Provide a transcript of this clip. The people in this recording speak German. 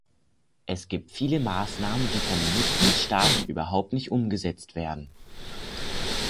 Es gibt viele Maßnahmen, die von den Mitgliedstaaten überhaupt nicht umgesetzt werden.